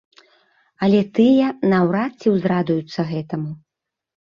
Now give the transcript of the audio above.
Але тыя наўрад ці ўзрадуюцца гэтаму.